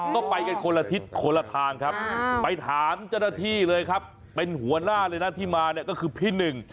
ก็ไปกันคนละทิศคนละทางครับไปถามเจ้าหน้าที่เลยครับเป็นหัวหน้าเลยนะที่มาเนี่ยก็คือพี่หนึ่ง